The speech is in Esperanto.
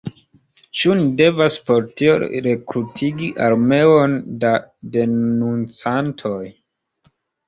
Ĉu ni devas por tio rekrutigi armeon da denuncantoj?